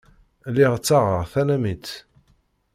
Lliɣ ttaɣeɣ tanamit.